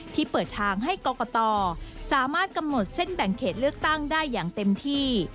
ที่เปิดทางให้กรกตสามารถกำหนดเส้นแบ่งเขตเลือกตั้งได้อย่างเต็มที่